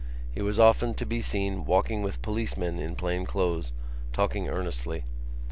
He was often to be seen walking with policemen in plain clothes, talking earnestly.